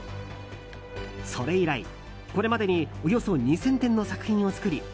それ以来、これまでにおよそ２０００点の作品を作り